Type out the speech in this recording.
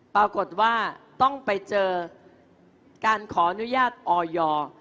ปรากฏว่าต้องไปเจอการขออนุญาตออย